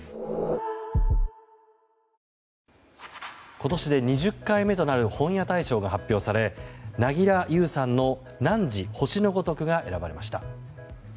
今年で２０回目となる本屋大賞が発表され凪良ゆうさんの「汝、星のごとく」が選ばれました。